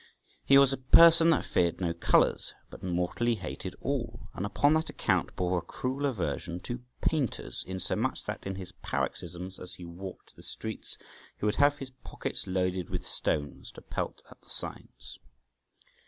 He was a person that feared no colours, but mortally hated all, and upon that account bore a cruel aversion to painters, insomuch that in his paroxysms as he walked the streets, he would have his pockets loaded with stones to pelt at the signs {148b}.